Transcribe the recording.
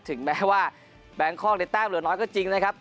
ถึงแม้ว่าแบงคอกในแต้มเหลือน้อยก็จริงนะครับ